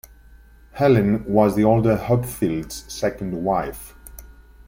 Helen was the older Hopfield's second wife.